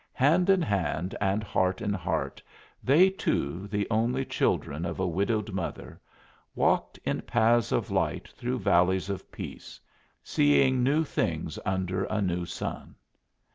Hand in hand and heart in heart they two, the only children of a widowed mother, walked in paths of light through valleys of peace, seeing new things under a new sun.